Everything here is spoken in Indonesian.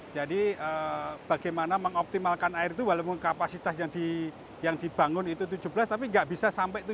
jadi bagaimana mengoptimalkan air itu walaupun kapasitas yang dibangun itu tujuh belas tapi nggak bisa sampai tujuh belas kva itu